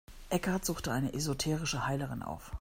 Eckhart suchte eine esoterische Heilerin auf.